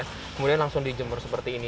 kemudian langsung dijempur seperti ini